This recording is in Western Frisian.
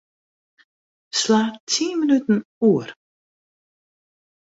Slach tsien minuten oer.